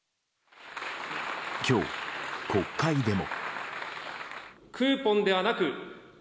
今日、国会でも。